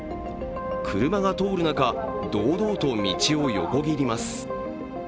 車が通る中、堂々と道を横切ります